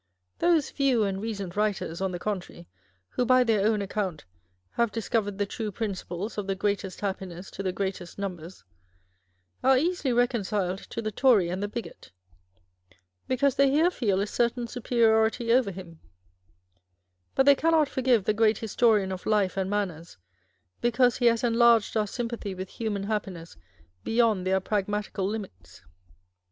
Those " few and recent writers," on the contrary, who by their own account " have discovered the true principles of the greatest happiness to the greatest numbers," are easily reconciled to the Tory and the bigot, because they here feel a certain superiority over him ; but they cannot forgive the great historian of life and man ners, because he has enlarged our sympathy with hunfan happiness beyond their pragmatical limits.